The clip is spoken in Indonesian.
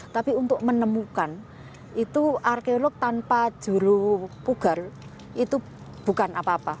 tapi untuk menemukan itu arkeolog tanpa juru pugar itu bukan apa apa